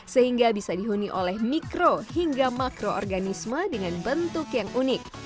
sehingga bisa dihuni oleh mikro hingga makroorganisme dengan bentuk yang unik